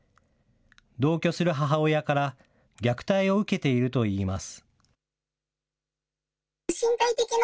同居する母親から虐待を受けているといいます。